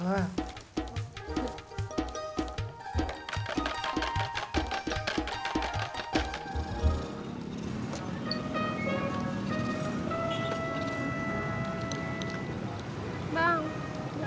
semoga mohon tell yang selang